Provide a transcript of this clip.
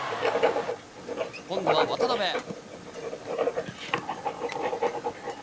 今度は、渡辺。